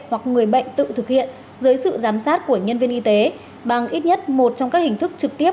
hoặc người bệnh tự thực hiện dưới sự giám sát của nhân viên y tế bằng ít nhất một trong các hình thức trực tiếp